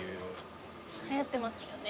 はやってますよね。